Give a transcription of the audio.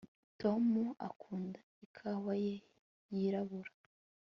tom akunda ikawa ye yirabura